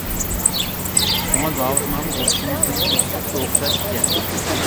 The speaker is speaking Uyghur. شۇڭا زاۋۇت نامى ئوخشىمىسىمۇ سۈپىتى ئوخشاش ئىكەن.